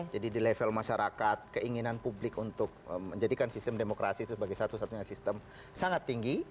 jadi di level masyarakat keinginan publik untuk menjadikan sistem demokrasi sebagai satu satunya sistem sangat tinggi